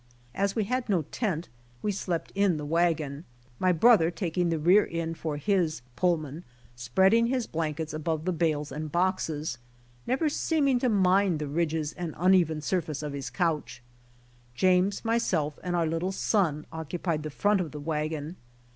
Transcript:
As we had no tent we slept in the wagon, my brother taking the rear end for his 'Tullman," spreading his blankets above the bales and boxes, never seeming to mind the ridges and uneven surface of his couch. James, myself and our little son, occu pied the front of the wagon.